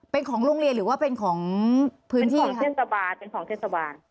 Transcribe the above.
เป็นของโรงเรียนหรือว่าเป็นของพื้นที่ของเทศบาลเป็นของเทศบาล